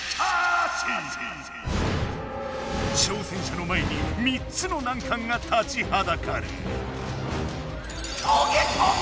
挑戦者の前に３つの難関が立ちはだかる！